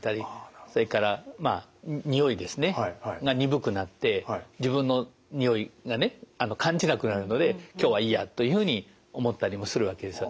それからまあにおいですねが鈍くなって自分のにおいがね感じなくなるので今日はいいやというふうに思ったりもするわけですよね。